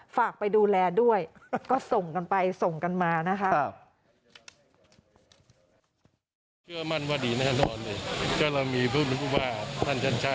ฝากไปดูแลด้วยก็ส่งกันไปส่งกันมานะคะ